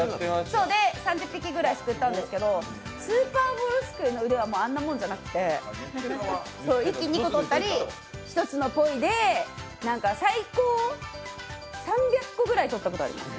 ３０匹くらいすくったんですけど、スーパーボールすくいの腕はもう、あんなもんじゃなくて、一気に２個取ったり、一つのポイで最高３００個ぐらい取ったことあります。